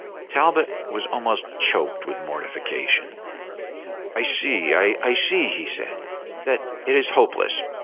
Talbot was almost choked with mortification. "I see I see," he said, "that it is hopeless.